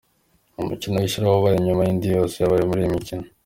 Mu mukino w’ishiraniro wabaye nyuma y’indi yose yabaye muri uyu mukino.